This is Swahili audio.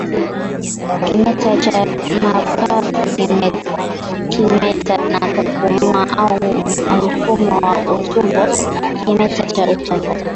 kimeta cha mapafu kimeta ya kupumua au mfumo wa utumbo kimeta cha utumbo